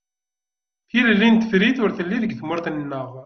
Tilelli n tefrit ur telli deg tmurt-a-nneɣ.